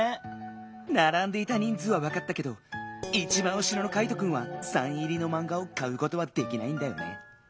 ならんでいたにんずうはわかったけどいちばんうしろのカイトくんはサイン入りのマンガをかうことはできないんだよね。